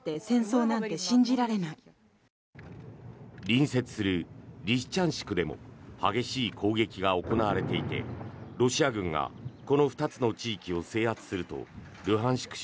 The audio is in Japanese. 隣接するリシチャンシクでも激しい攻撃が行われていてロシア軍がこの２つの地域を制圧するとルハンシク